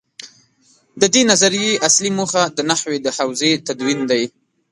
د دې نظریې اصلي موخه د نحوې د حوزې تدوین دی.